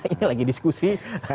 ini lagi diskusi